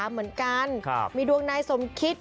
เหมือนกันมีดวงนายสมคิต